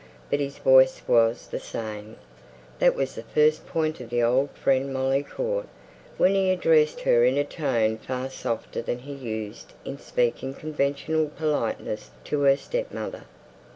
But his voice was the same; that was the first point of the old friend Molly caught, when he addressed her in a tone far softer than he used in speaking conventional politenesses to her stepmother.